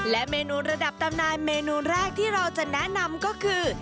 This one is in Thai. และเมนูระดับตำนานเมนูแรกที่เราจะแนะนำก็คือ